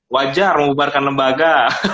wajar mengubarkan lembaga